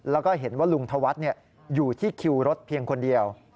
แล้วก็เห็นว่าลุงธวัฒน์อยู่ที่คิวรถเพียงคนเดียว